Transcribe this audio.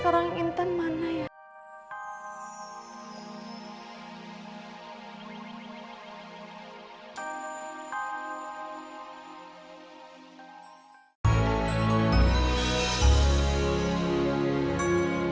tentang mana ya